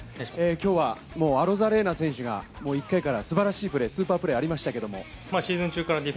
今日はもうアロザレーナ選手が１回からすばらしいプレー、スーパープレーありましたけども。